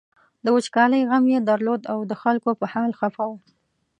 د وچکالۍ غم یې درلود او د خلکو په حال خپه و.